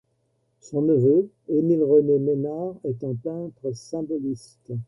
Son neveu Émile-René Ménard est un peintre symboliste.